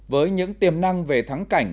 với những tiềm năng về thắng cảnh